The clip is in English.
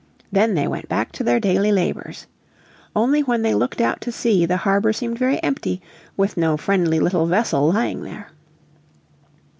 Then they went back to their daily labours. Only when they looked out to sea the harbour seemed very empty with no friendly little vessel lying there.